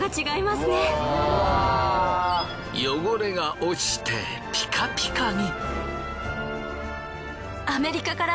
汚れが落ちてピカピカに。